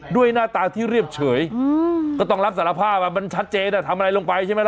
หน้าตาที่เรียบเฉยก็ต้องรับสารภาพมันชัดเจนทำอะไรลงไปใช่ไหมล่ะ